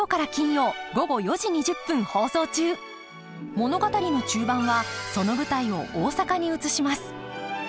物語の中盤はその舞台を大阪に移します。